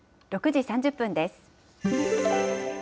６時３０分です。